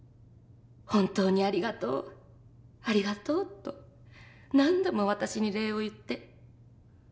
「本当にありがとうありがとう」と何度も私に礼を言って。